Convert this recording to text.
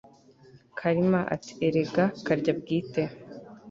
Kalima ati Erega Karyabwite